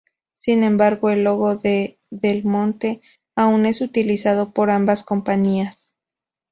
Sin embargo el logo de "Del Monte" aun es utilizado por ambas compañías.